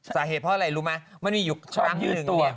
สาเหตุเพราะอะไรรู้มั้ยมันมีอยู่ข้างหนึ่ง